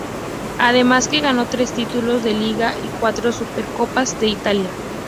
Además que ganó tres títulos de liga y cuatro Supercopas de Italia.